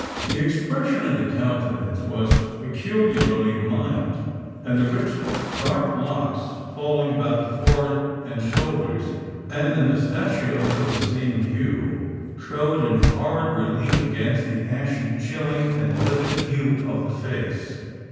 "The expression of the countenance was peculiarly mild, and the rich dark locks falling about the forehead and shoulders, and the mustachios of the same hue, showed in horrid relief against the ashy, chilling, and livid hue of the face.